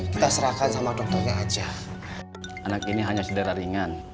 kita serahkan sama dokternya aja anak ini hanya cedera ringan